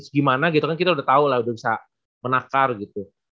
gimana gitu kan kita udah tahu lah udah bisa menakar gitu